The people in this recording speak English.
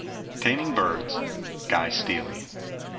_ TAMING BIRDS. GUY STEALEY.